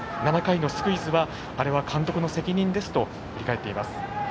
７回のスクイズはあれは監督の責任ですと振り返っていました。